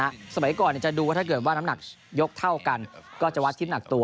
ในสมัยก่อนเราจะดูว่านักมาขยกเท่ากันก็จะวัดทิศหนักตัว